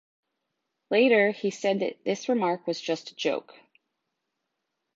Later he said that this remark was just a joke.